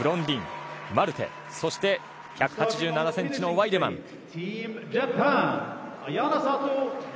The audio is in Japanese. ディン、マルテそして１８７ｃｍのワイデマン。